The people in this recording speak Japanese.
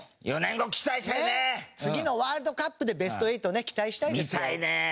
次のワールドカップでベスト８をね期待したいですよ。